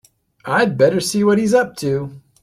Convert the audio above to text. I'd better see what he's up to.